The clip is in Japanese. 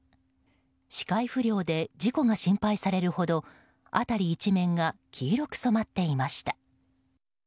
視界不良で事故が心配されるほど辺り一面が黄色く染まっていました。